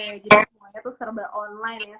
jadi semuanya itu serba online ya